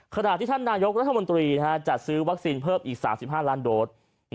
ขณะที่ท่านนายกรัฐมนตรีจัดซื้อวัคซีนเพิ่มอีก๓๕ล้านโดส